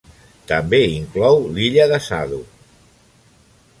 També inclou l'illa de Sado.